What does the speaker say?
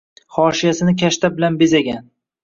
Hoshiyasini kashta bilan bezagan